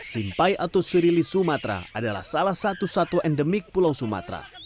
simpai atau surili sumatera adalah salah satu satwa endemik pulau sumatera